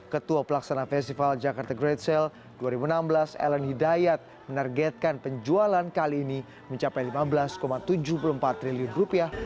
ketua pelaksana festival jakarta great sale dua ribu enam belas ellen hidayat menargetkan penjualan kali ini mencapai lima belas tujuh puluh empat triliun rupiah